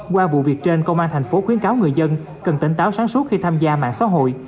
qua vụ việc trên công an thành phố khuyến cáo người dân cần tỉnh táo sáng suốt khi tham gia mạng xã hội